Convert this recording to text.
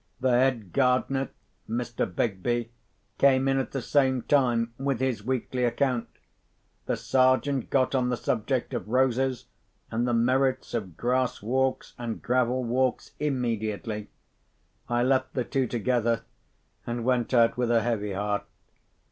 The head gardener (Mr. Begbie) came in at the same time, with his weekly account. The Sergeant got on the subject of roses and the merits of grass walks and gravel walks immediately. I left the two together, and went out with a heavy heart.